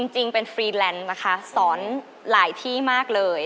จริงเป็นฟรีแลนด์นะคะสอนหลายที่มากเลย